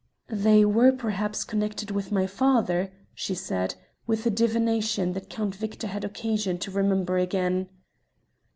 "They were, perhaps, connected with my father," she said, with a divination that Count Victor had occasion to remember again.